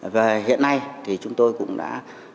về hiện nay thì chúng tôi cũng đã